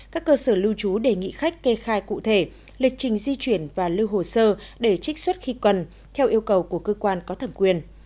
các cơ sở lưu trú đề nghị khách kê khai cụ thể lịch trình di chuyển và lưu hồ sơ để trích xuất khi cần theo yêu cầu của cơ quan có thẩm quyền